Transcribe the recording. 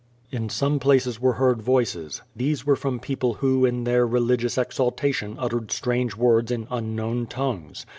In some places were heard voices. These were from people who in their religious exaltation uttered strange words in unknown tongues.